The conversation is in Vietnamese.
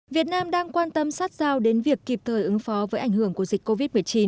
việt nam đang quan tâm sát sao đến việc kịp thời ứng phó với ảnh hưởng của dịch covid một mươi chín